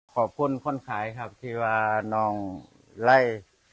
ขอบคุณคนขายครับที่ว่าน้องไล่